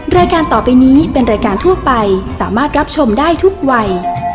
รายการต่อไปนี้เป็นรายการทั่วไปสามารถรับชมได้ทุกวัย